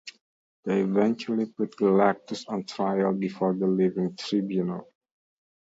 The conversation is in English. They eventually put Galactus on trial before the Living Tribunal.